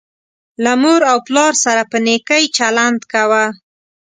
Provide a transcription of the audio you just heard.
له مور او پلار سره په نیکۍ چلند کوه